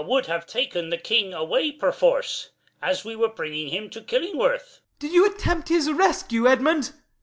_ 'A would have taken the king away perforce, As we were bringing him to Killingworth. Y. Mor. Did you attempt his rescue, Edmund?